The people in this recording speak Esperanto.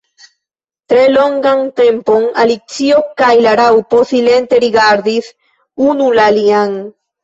Tre longan tempon Alicio kaj la Raŭpo silente rigardis unu la alian.